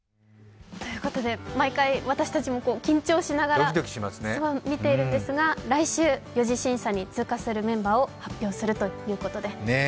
毎回、私たちも緊張しながら見ているんですが来週、４次審査に通過するメンバーを発表するということです。